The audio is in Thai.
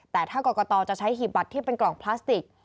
แต่ถ้ากรกตจะใช้หีบบัตรที่เป็นกล่องพลาสติก